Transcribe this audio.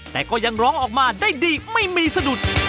แต่ก็ยังร้องออกมาได้ดีไม่มีสะดุด